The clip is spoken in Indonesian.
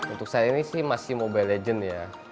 untuk saya ini sih masih mobile legend ya